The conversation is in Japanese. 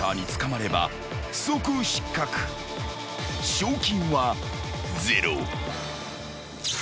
［賞金はゼロ］